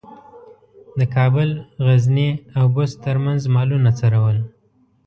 د کابل، غزني او بُست ترمنځ مالونه څرول.